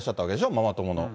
ママ友の。